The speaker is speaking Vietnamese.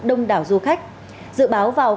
đông đảo du khách dự báo vào